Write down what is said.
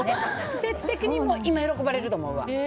季節的にも、今喜ばれると思うわ。